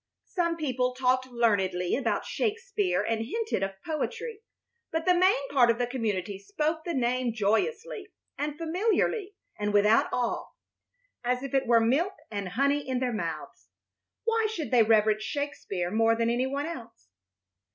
Some people talked learnedly about Shakespeare and hinted of poetry; but the main part of the community spoke the name joyously and familiarly and without awe, as if it were milk and honey in their mouths. Why should they reverence Shakespeare more than any one else?